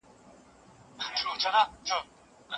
ایا د سهار په ورزش کي د تنفس د تمریناتو سره سږي پاکېږي؟